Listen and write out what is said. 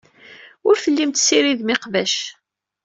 Ur tellim tessiridem iqbac.